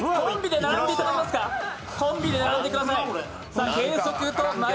コンビで並んでください。